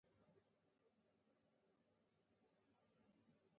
یو وسله وال او ترهګریز عمل دی.